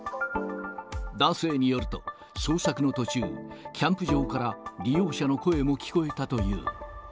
男性によると、捜索の途中、キャンプ場から利用者の声も聞こえたという。